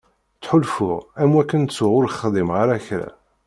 Ttḥulfuɣ am wakken ttuɣ ur xdimeɣ ara kra.